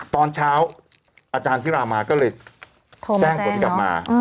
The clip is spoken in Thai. ตอนเช้าอาจารย์ธิรามาก็เลยแจ้งผลกลับมา